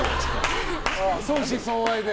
相思相愛で。